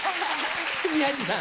宮治さん。